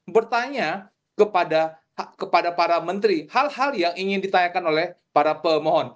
bertanya kepada para menteri hal hal yang ingin ditanyakan oleh para pemohon